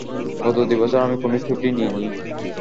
গত দু বছরে আমি কোনো ছুটি নিই নি।